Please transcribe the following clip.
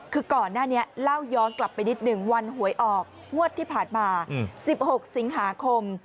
คือก่อนหน้านี้เล่าย้อนกลับไปนิดหนึ่งวันหวยออกงวดที่ผ่านมา๑๖สิงหาคม